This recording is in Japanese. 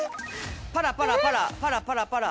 パラパラパラパラパラパラ。